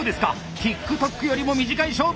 ＴｉｋＴｏｋよりも短い勝負！